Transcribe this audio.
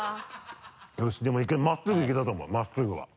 よしでも真っすぐ行けたと思う真っすぐは。